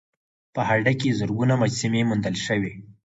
په هډه کې زرګونه مجسمې موندل شوي